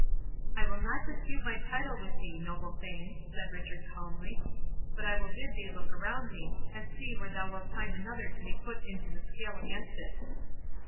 "I will not dispute my title with thee, noble Thane," said Richard, calmly; "but I will bid thee look around thee, and see where thou wilt find another to be put into the scale against it."